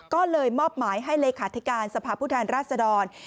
ก็เลยมอบหมายให้เลขาธิการสภาพผู้แทนราชดร